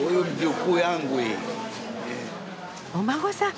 お孫さん。